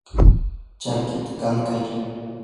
charkita kankay.